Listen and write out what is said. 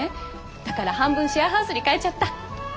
だから半分シェアハウスに変えちゃった。